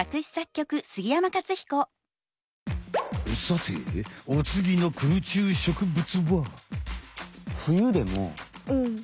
さておつぎの空中植物は。